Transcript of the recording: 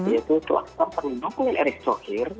yaitu kelas terpendukung eric thauhir